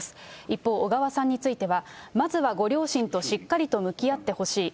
一方、小川さんについては、まずはご両親としっかりと向き合ってほしい。